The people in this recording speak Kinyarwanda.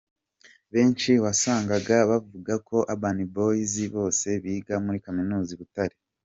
Benshi wasangaga bavuga ko Urban Boyz bose biga muri Kaminuza i Butare.